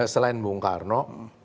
selain bung karno